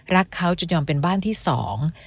รักเขาจนยอมเป็นบ้านที่สอง